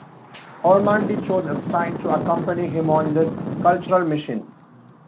Ormandy chose Epstein to accompany him on this cultural mission.